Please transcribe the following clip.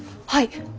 はい。